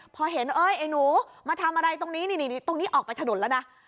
พอเห็นเอ้ยไอ้หนูมาทำอะไรตรงนี้นี่ตรงนี้ออกไปถนนแล้วนะ